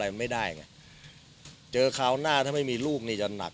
ไม่ได้ไงเจอคราวหน้าถ้าไม่มีลูกนี่จะหนัก